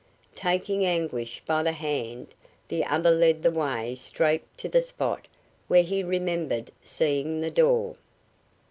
Taking Anguish by the hand the other led the way straight to the spot where he remembered seeing the door.